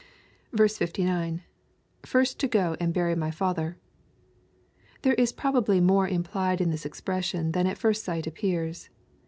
59. — [Mrst to go a/nd hury my father,'] There is probably more implied in this expression than at first sight appears.